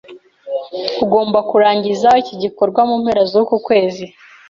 Ugomba kurangiza iki gikorwa mu mpera zuku kwezi.